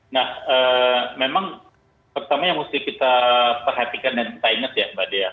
nah memang pertama yang mesti kita perhatikan dan kita ingat ya mbak dea